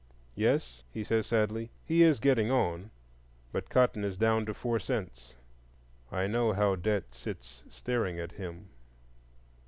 Yes, he says sadly, he is getting on, but cotton is down to four cents; I know how Debt sits staring at him.